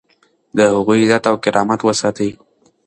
د هغوی عزت او کرامت وساتئ.